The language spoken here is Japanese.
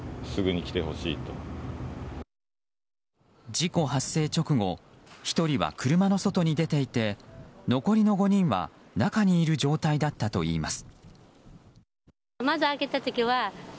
事故発生直後１人は車の外に出ていて残りの５人は中にいる状態だったといいます。